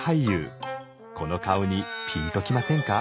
この顔にピンときませんか？